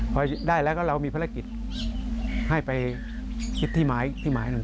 พอได้แล้วก็เรามีภารกิจให้ไปคิดที่หมายที่หมายหนึ่ง